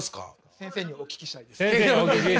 先生にお聞きしたい？